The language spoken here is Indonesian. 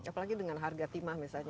apalagi dengan harga timah misalnya